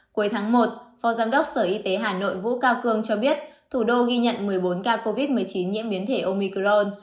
cuối tháng một phó giám đốc sở y tế hà nội vũ cao cương cho biết thủ đô ghi nhận một mươi bốn ca covid một mươi chín nhiễm biến thể omicron